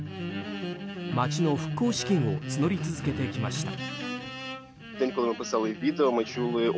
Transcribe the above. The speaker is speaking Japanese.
街の復興資金を募り続けてきました。